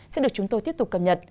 sẽ được chúng tôi tiếp tục cập nhật